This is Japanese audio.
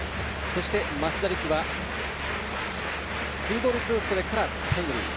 そして増田陸はツーボールツーストライクからタイムリー。